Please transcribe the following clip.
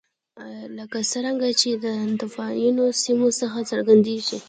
لکه څرنګه چې له ناتوفیانو سیمو څخه څرګندېږي